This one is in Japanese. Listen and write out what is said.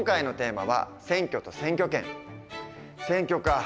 選挙か。